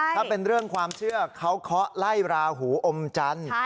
ถ้าเป็นเรื่องความเชื่อเขาเคาะไล่ราหูอมจันทร์